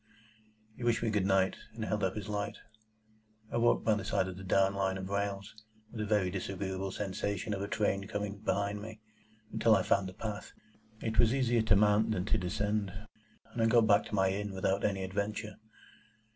He wished me good night, and held up his light. I walked by the side of the down Line of rails (with a very disagreeable sensation of a train coming behind me) until I found the path. It was easier to mount than to descend, and I got back to my inn without any adventure.